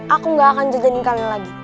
aku gak akan jajan kalian lagi